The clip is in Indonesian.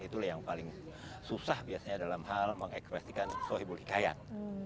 itulah yang paling susah biasanya dalam hal mengekspresikan sohibul hikayat